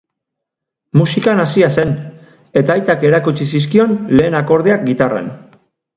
Musikan hasia zen eta aitak erakutsi zizkion lehen akordeak gitarran.